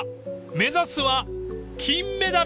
［目指すは金メダル］